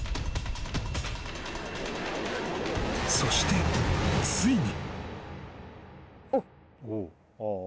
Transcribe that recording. ［そしてついに］